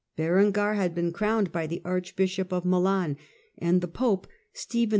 Berengar had been crowned by the Archbishop of Milan, and the Pope, Stephen V.